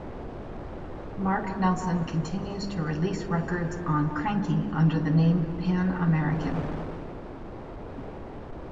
Mark Nelson continues to release records on Kranky under the name Pan American.